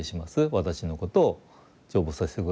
私のことを成仏させて下さい。